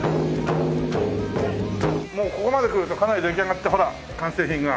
もうここまで来るとかなり出来上がってほら完成品が。